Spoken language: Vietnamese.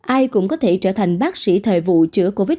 ai cũng có thể trở thành bác sĩ thời vụ chữa covid một mươi